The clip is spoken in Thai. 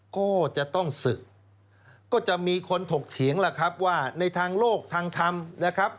ก็จะต้องศึกก็จะมีคนถกเถียงล่ะครับว่าในทางโลกทางธรรมนะครับ